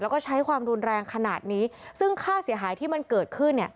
แล้วก็ใช้ความรุนแรงขนาดนี้ซึ่งค่าเสียหายที่มันเกิดขึ้นเนี่ย